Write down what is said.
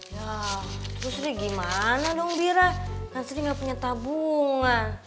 yaaah terus deh gimana dong bira kan sri ga punya tabungan